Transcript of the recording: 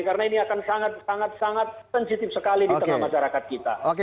karena ini akan sangat sangat sensitif sekali di tengah masyarakat kita